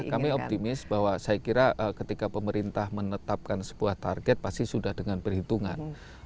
kami optimis bahwa saya kira ketika pemerintah menetapkan sebuah target pasti sudah dengan perhitungan